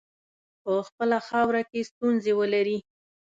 په خپله خاوره کې ستونزي ولري.